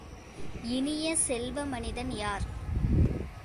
இனிய செல்வ, மனிதன் யார்?